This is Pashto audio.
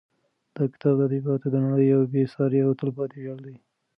دا کتاب د ادبیاتو د نړۍ یو بې سارې او تلپاتې ویاړ دی.